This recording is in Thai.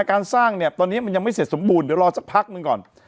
การสร้างเนี่ยตอนนี้มันยังไม่เสร็จสมบูรณ์เดี๋ยวรอสักพักหนึ่งก่อน